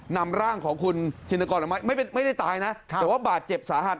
นำร่างของคุณธินกรออกมาไม่ได้ตายนะแต่ว่าบาดเจ็บสาหัส